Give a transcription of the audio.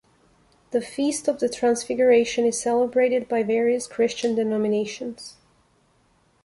The Feast of the Transfiguration is celebrated by various Christian denominations.